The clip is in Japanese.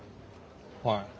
はい。